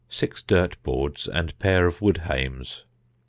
Six dirt boards and pair of wood hames.